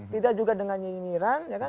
tidak juga dengan nyinyiran